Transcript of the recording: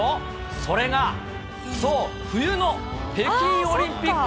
それがそう、冬の北京オリンピック。